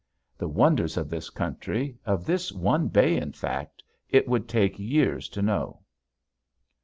The wonders of this country, of this one bay in fact, it would take years to know!